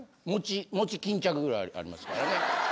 餅巾着ぐらいありますからね。